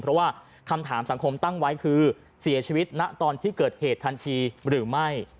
เพราะว่าคำถามสังคมตั้งไว้คือเสียชีวิตณตอนที่เกิดเหตุทันทีหรือไม่